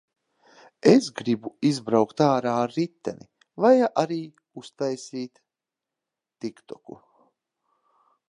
Es gribu izbraukt ārā ar riteni. Vai arī uztaisīt tiktoku.